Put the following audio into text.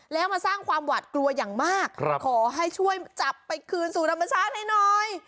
แล้วมาสร้างความหวาดกลัวอย่างมากขอให้ช่วยจับไปคืนสู่ธรรมชาติให้หน่อย